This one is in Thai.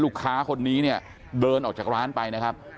คนนี้เนี่ยเดินออกจากร้านไปนะครับ